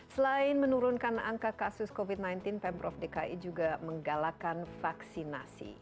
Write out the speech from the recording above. selain menurunkan angka kasus covid sembilan belas pemprov dki juga menggalakan vaksinasi